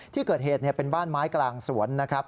ที่เกิดเหตุเป็นบ้านไม้กลางสวนนะครับ